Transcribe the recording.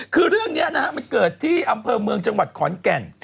คือเรื่องนี้นะฮะมันเกิดที่อำเภอเมืองจังหวัดขอนแก่น